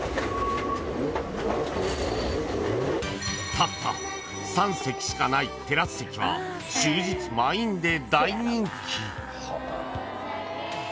［たった３席しかないテラス席は終日満員で大人気］